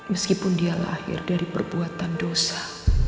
meskipun dia lahir dari perbuatan dosa